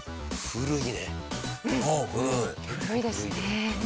古いですね。